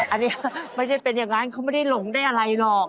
อันนี้ไม่ได้เป็นอย่างนั้นเขาไม่ได้หลงได้อะไรหรอก